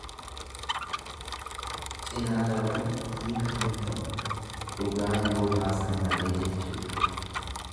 Cinaa labuun hiika hin ta'u, dhugaa yoo baasan malee jechuudha.